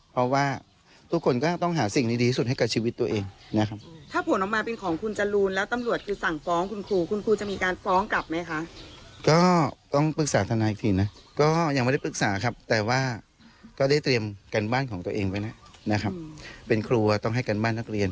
ไปฟังเสียงของครูปีชากันหน่อยครับ